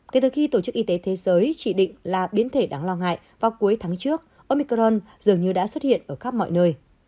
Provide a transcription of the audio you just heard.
kể từ khi tổ chức y tế thế giới chỉ định là biến thể đáng lo ngại vào cuối tháng trước omicron dường như đã xuất hiện ở khắp mọi nơi